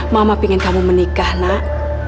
mama ingin kamu menikah nak